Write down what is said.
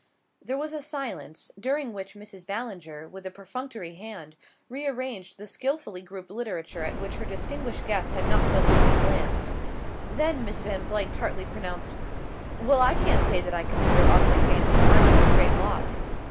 There was a silence, during which Mrs. Ballinger, with a perfunctory hand, rearranged the skilfully grouped literature at which her distinguished guest had not so much as glanced; then Miss Van Vluyck tartly pronounced: "Well, I can't say that I consider Osric Dane's departure a great loss."